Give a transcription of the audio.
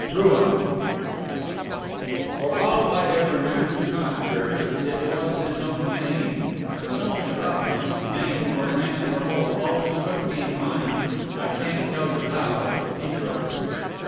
ROOUM For all I ever knew to the contrary, it was his own name; and something about him, name or man or both, always put me in mind, I can't tell you how, of negroes.